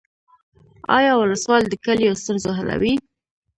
آیا ولسوال د کلیو ستونزې حلوي؟